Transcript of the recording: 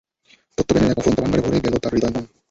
তত্ত্বজ্ঞানের এক অফুরন্ত ভাণ্ডারে ভরে গেল তার হৃদয়-মন।